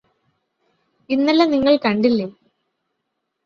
ഇന്നലെ നിങ്ങള് കണ്ടില്ലേ